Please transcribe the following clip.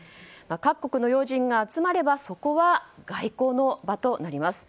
各国の要人が集まればそこは外交の場となります。